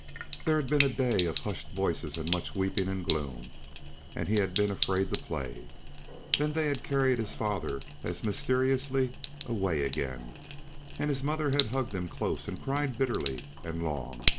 There had been a day of hushed voices and much weeping and gloom, and he had been afraid to play. Then they had carried his father as mysteriously away again, and his mother had hugged him close and cried bitterly and long.